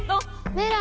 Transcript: メラ。